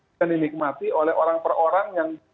bisa dinikmati oleh orang per orang yang